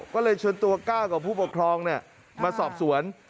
ก็เลยเชิญตัวก้าวกับผู้ปกครองมาสอบสวน